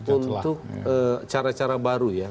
untuk cara cara baru ya